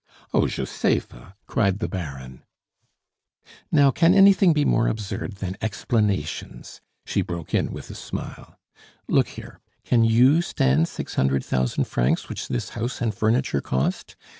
"Oh, Josepha! " cried the Baron. "Now, can anything be more absurd than explanations?" she broke in with a smile. "Look here; can you stand six hundred thousand francs which this house and furniture cost?